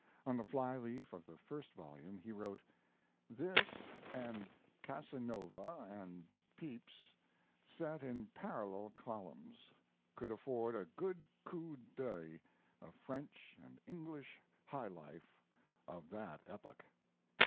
On the fly leaf of the first volume he wrote This, & Casanova & Pepys, set in parallel columns, could afford a good coup d'oeil of French & English high life of that epoch.